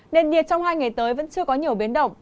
nền nhiệt trong hai ngày tới vẫn chưa có nhiều biến động